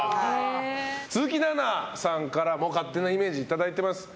鈴木奈々さんからも勝手なイメージ頂いてます。